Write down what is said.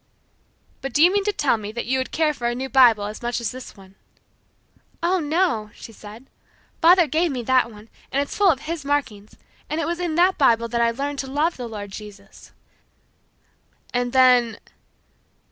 "But do you mean to tell me that you would care for a new Bible as much as this one?" "Oh, no," she said, "Father gave me that one, and it's full of his markings, and it was in that Bible that I learned to love the Lord Jesus." "And then